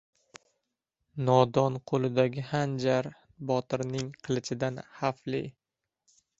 • Nodon qo‘lidagi hanjar botirning qilichidan xavfli.